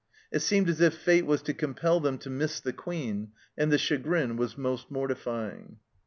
It seemed as if Fate was to compel them to miss the Queen, and the chagrin was most mortifying.